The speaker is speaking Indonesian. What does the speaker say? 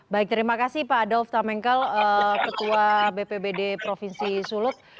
baik terima kasih pak adolf tamengkel ketua bpbd provinsi sulut